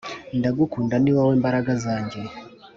Ndagukunda ni wowe mbaraga zanjye